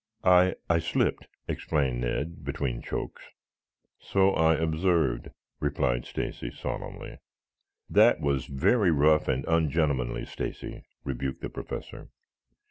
"I I slipped," explained Ned between chokes. "So I observed," replied Stacy solemnly. "That was very rough and ungentlemanly, Stacy," rebuked the Professor.